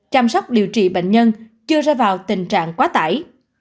chăm sóc điều trị bệnh nhân chưa ra vào tình trạng quá tải